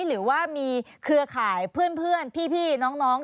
หรือว่ามีเครือข่ายเพื่อนพี่น้อง